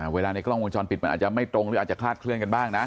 ในกล้องวงจรปิดมันอาจจะไม่ตรงหรืออาจจะคลาดเคลื่อนกันบ้างนะ